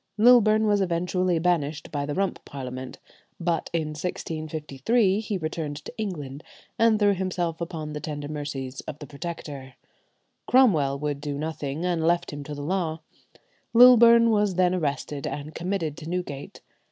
Lilburne was eventually banished by the Rump Parliament; but in 1653 he returned to England and threw himself upon the tender mercies of the Protector. Cromwell would do nothing, and left him to the law. Lilburne was then arrested, and committed to Newgate.